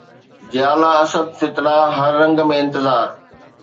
جيالا اسد فتنه هر رنگ ۾ انتظار